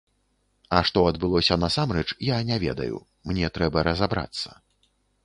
А што адбылося насамрэч, я не ведаю, мне трэба разабрацца.